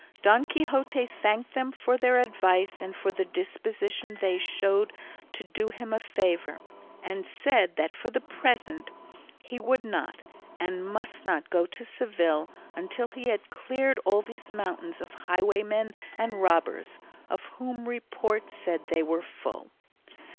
Don Quixote thanked them for their advice and for the disposition they showed to do him a favour, and said that for the present he would not, and must not go to Seville until he had cleared all these mountains of highwaymen and robbers, of whom report said they were full.